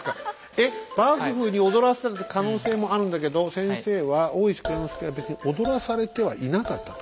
えっ幕府に踊らされてた可能性もあるんだけど先生は大石内蔵助は踊らされてはいなかったと。